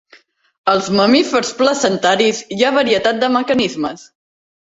Als mamífers placentaris hi ha varietat de mecanismes.